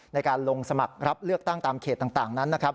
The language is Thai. ในการลงสมัครรับเลือกตั้งตามเขตต่างนั้นนะครับ